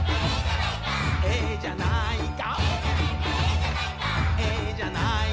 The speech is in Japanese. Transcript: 「えじゃないか」